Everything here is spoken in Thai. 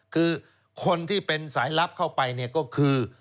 คือคนที่เป็นสายลับเข้าไปเนี่ยก็คือ